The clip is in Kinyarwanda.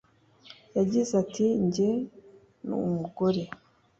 yagize ati jye n'umugore